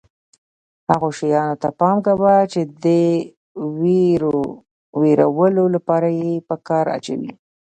هغو شیانو ته پام کوه چې د وېرولو لپاره یې په کار اچوي.